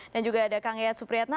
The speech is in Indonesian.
dan juga ada kang eyat supriyatna